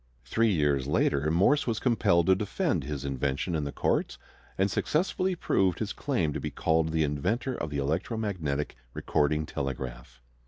Three years later Morse was compelled to defend his invention in the courts, and successfully proved his claim to be called the inventor of the electromagnetic recording telegraph.